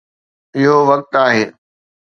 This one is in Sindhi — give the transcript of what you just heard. اهو وقت آهي.